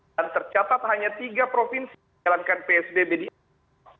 dan tercatat hanya tiga provinsi yang menjalankan psbb di jawa barat